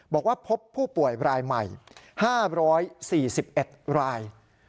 บอกว่าพบผู้ป่วยรายใหม่๕๔๑ราย